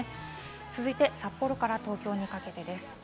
続いて札幌から東京にかけてです。